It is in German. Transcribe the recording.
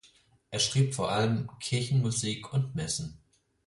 Er schrieb vor allem Kirchenmusik und Messen.